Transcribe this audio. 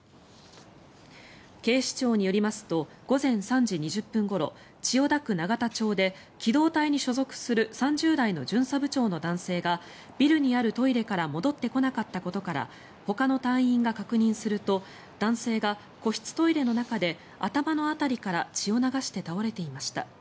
警視庁によりますと午前３時２０分ごろ千代田区永田町で機動隊に所属する３０代の巡査部長の男性がビルにあるトイレから戻ってこなかったことからほかの隊員が確認すると男性が個室トイレの中で頭の辺りから血を流して倒れていました。